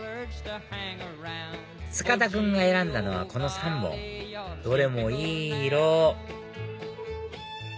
塚田君が選んだのはこの３本どれもいい色！